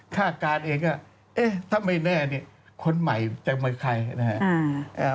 ข้าการเองก็ถ้าไม่แน่นี่คนใหม่จะมาใคร